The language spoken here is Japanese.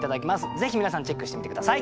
ぜひ皆さんチェックしてみて下さい。